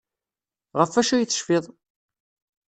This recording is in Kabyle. Ɣef wacu ay tecfiḍ?